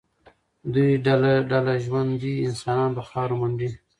دوی ډله ډله ژوندي انسانان په خاورو منډي.